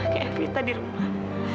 kayak evita di rumah